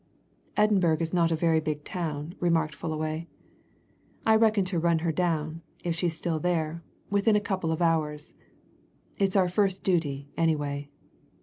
"Edinburgh is not a very big town," remarked Fullaway. "I reckon to run her down if she's still there within a couple of hours. It's our first duty, anyway.